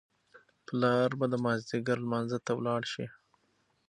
پلار به د مازیګر لمانځه ته ولاړ شي.